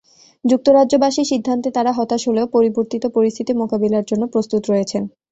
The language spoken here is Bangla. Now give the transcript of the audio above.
যুক্তরাজ্যবাসীর সিদ্ধান্তে তাঁরা হতাশ হলেও পরিবর্তিত পরিস্থিতি মোকাবিলার জন্য প্রস্তুত রয়েছেন।